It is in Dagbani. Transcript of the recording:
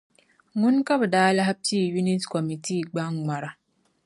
Ŋuni ka bɛ daa lahi piigi Unit Kɔmitii gbaŋ' ŋmara.